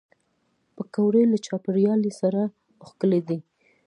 پکورې له چاپېریال سره ښکلي دي